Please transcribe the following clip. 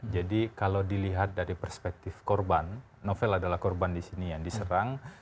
jadi kalau dilihat dari perspektif korban novel adalah korban yang diserang